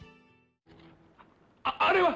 ああれは。